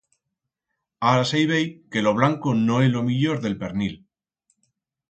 Ara se i vei que lo bllanco no é lo millor d'el pernil.